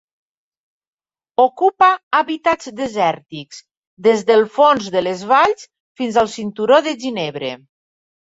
Ocupa hàbitats desèrtics, des del fons de les valls fins al cinturó de ginebre.